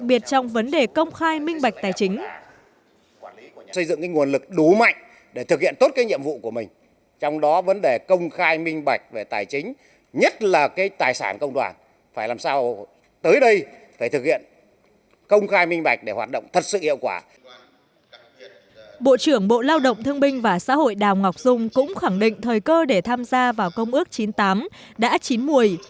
bộ trưởng bộ lao động thương binh và xã hội đào ngọc dung cũng khẳng định thời cơ để tham gia vào công ước chín mươi tám đã chín mùi